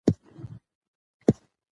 ایا روهیلې پښتانه په جنګ کې تکړه وو؟